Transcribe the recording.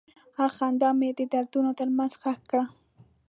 هغه خندا مې د دردونو تر منځ ښخ کړه.